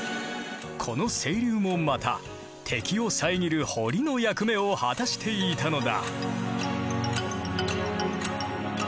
この清流もまた敵を遮る堀の役目を果たしていたのだ。